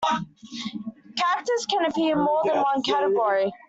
Characters can appear in more than one category.